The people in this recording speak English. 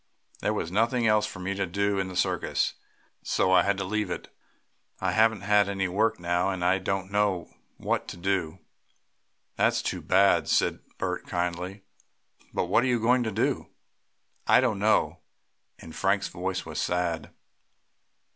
There was nothing else for me to do in the circus, so I had to leave it. I haven't any work now, and I don't know what to do." "That's too bad," said Bert kindly. "What are you going to do?" "I don't know," and Frank's voice was sad.